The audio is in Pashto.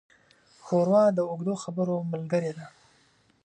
ښوروا د اوږدو خبرو ملګري ده.